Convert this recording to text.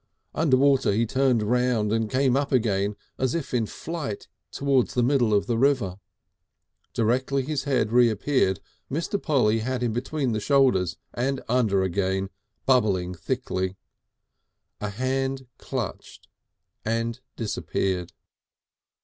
Under water he turned round and came up again as if in flight towards the middle of the river. Directly his head reappeared Mr. Polly had him between the shoulders and under again, bubbling thickly. A hand clutched and disappeared.